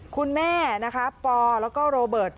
คุณแม่นะคะปอแล้วก็โรเบิร์ต